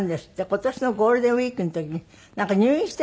今年のゴールデンウィークの時に入院していらしたんですって？